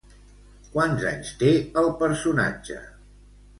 Quants anys té el personatge?